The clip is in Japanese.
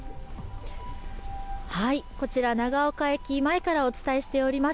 こちら長岡駅前からお伝えしております。